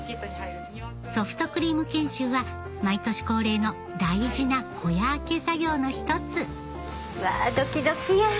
ソフトクリーム研修は毎年恒例の大事な小屋開け作業の一つうわドキドキや！